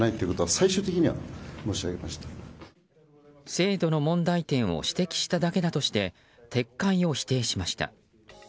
制度の問題点を指摘しただけだとして撤回を否定しました。